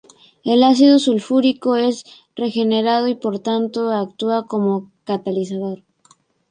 El ácido sulfúrico es regenerado y por tanto actúa como catalizador.